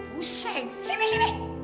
pusing sini sini